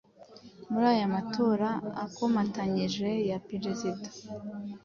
Muri aya matora akomatanyije aya perezida,